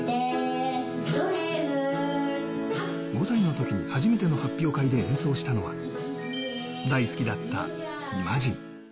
５歳の時に初めての発表会で演奏したのは大好きだった『イマジン』。